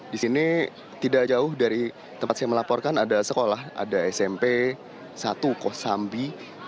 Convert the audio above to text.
di sini tidak jauh dari tempat saya melaporkan ada sekolah ada smp satu kosambi